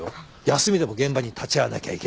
休みでも現場に立ち会わなきゃいけない。